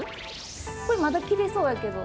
これまだ着れそうやけど。